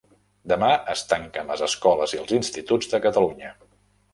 Demà es tanquen les escoles i els instituts de Catalunya